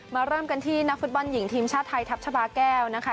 เริ่มกันที่นักฟุตบอลหญิงทีมชาติไทยทัพชาบาแก้วนะคะ